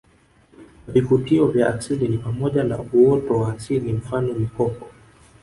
Vivutio vya asili ni pamoja na uoto wa asili mfano mikoko